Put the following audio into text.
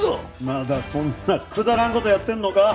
まだそんなくだらん事やってるのか。